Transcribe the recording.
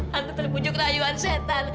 tante terpujuk rayuan setan